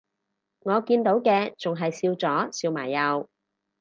我見到嘅仲係笑咗笑埋右